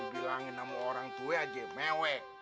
kalau dibilangin nama orang tua aja mewe